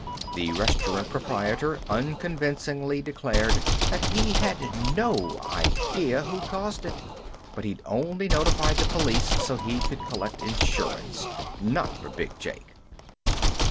The restaurant proprietor unconvincingly declared that he had no idea who'd caused it. But he'd only notified the police so he could collect insurance not from Big Jake.